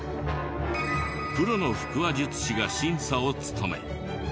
プロの腹話術師が審査を務め。